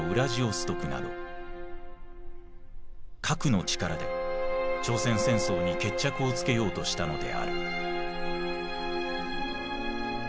核の力で朝鮮戦争に決着をつけようとしたのである。